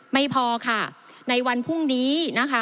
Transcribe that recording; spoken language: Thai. ไม่พอค่ะในวันพรุ่งนี้นะคะ